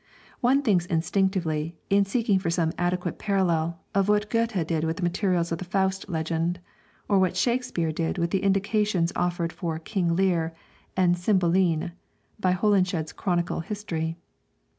One thinks instinctively, in seeking for some adequate parallel, of what Goethe did with the materials of the Faust legend, or of what Shakespeare did with the indications offered for 'King Lear' and 'Cymbeline' by Holinshed's chronicle history.